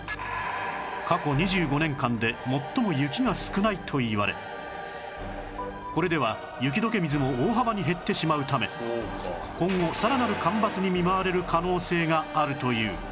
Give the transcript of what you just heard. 過去２５年間で最も雪が少ないといわれこれでは雪解け水も大幅に減ってしまうため今後さらなる干ばつに見舞われる可能性があるという